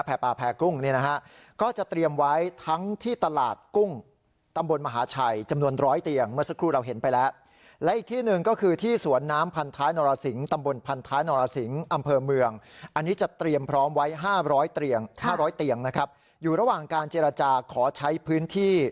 แพร่ปลาแพร่กุ้งเนี่ยนะฮะก็จะเตรียมไว้ทั้งที่ตลาดกุ้งตำบลมหาชัยจำนวน๑๐๐เตียงเมื่อสักครู่เราเห็นไปแล้ว